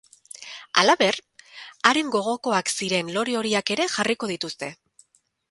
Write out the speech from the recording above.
Halaber, haren gogokoak ziren lore horiak ere jarriko dituzte.